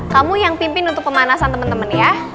kamu yang pimpin untuk pemanasan temen temen ya